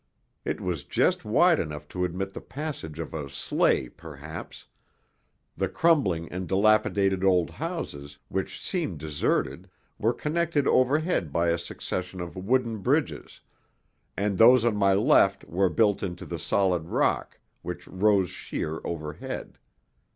It was just wide enough to admit the passage of a sleigh perhaps; the crumbling and dilapidated old houses, which seemed deserted, were connected overhead by a succession of wooden bridges, and those on my left were built into the solid rock, which rose sheer overhead.